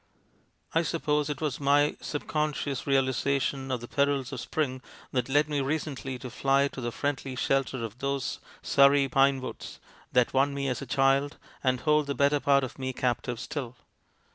I suppose it was my subconscious realiza tion of the perils of spring that led me recently to fly to the friendly shelter of those Surrey pine woods that won me as a child, and hold the better part of me captive still.